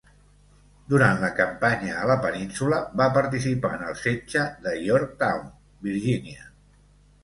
Durant la campanya a la península, va participar en el setge de Yorktown, Virgínia.